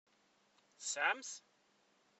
Tesɛam-t.